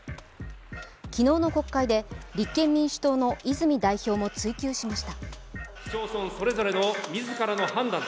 昨日の国会で立憲民主党の泉代表も追及しました。